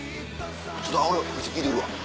ちょっと聞いてくるわ。